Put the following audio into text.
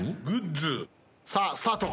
さあスタート。